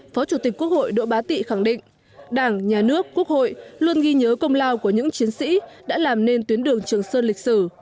phó chủ tịch quốc hội đỗ bá tị khẳng định đảng nhà nước quốc hội luôn ghi nhớ công lao của những chiến sĩ đã làm nên tuyến đường trường sơn lịch sử